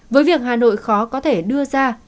với việc hà nội khó có thể đưa ra